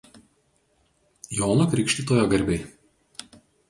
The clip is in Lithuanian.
Jono Krikštytojo garbei.